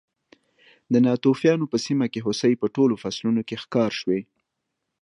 د ناتوفیانو په سیمه کې هوسۍ په ټولو فصلونو کې ښکار شوې.